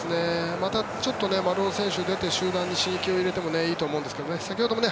またちょっと丸尾選手出て集団に刺激を与えてもいいと思うんですけどね。